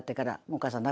お義母さん